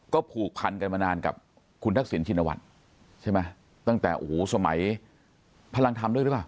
ก็ผูกพันกันมานานกับคุณทักษิณชินวัฒน์ใช่ไหมตั้งแต่โอ้โหสมัยพลังธรรมด้วยหรือเปล่า